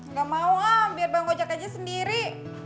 nggak mau mak biar bang gojak aja sendiri